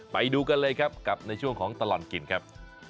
ไปดูกันเลยครับกับในช่วงของตลอดกินครับ